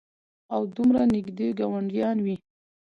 او دومره نېږدې ګاونډيان وي